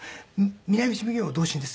「南町奉行同心です」。